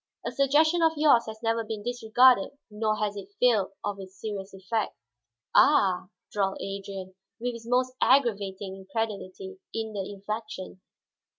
A suggestion of yours has never been disregarded nor has it failed of its serious effect." "Ah?" drawled Adrian, with his most aggravating incredulity in the inflection.